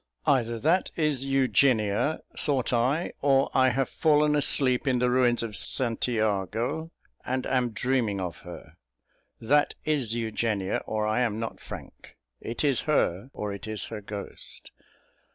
"Either that is Eugenia," thought I, "or I have fallen asleep in the ruins of St Jago, and am dreaming of her. That is Eugenia, or I am not Frank. It is her, or it is her ghost."